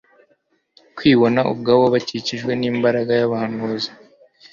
kwibona ubwabo bakikijwe n'imbaga y'abanzi